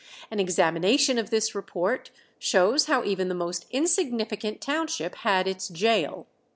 An examination of this report shows how even the most insignificant township had its gaol.